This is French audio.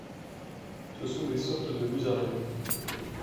Ce sont des sortes de musaraignes.